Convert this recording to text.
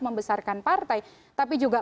membesarkan partai tapi juga